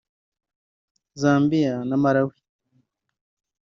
Zambia na Malawi